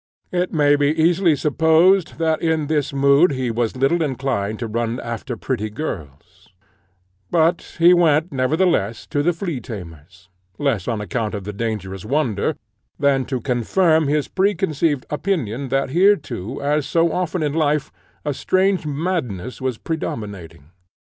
It may be easily supposed, that in this mood he was little inclined to run about after pretty girls; but he went nevertheless to the flea tamer's, less on account of the dangerous wonder, than to confirm his preconceived opinion that here too, as so often in life, a strange madness was predominating.